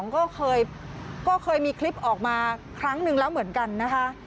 ก็เคยมีคลิปออกมาครั้งหนึ่งแล้วเหมือนกันนะคะ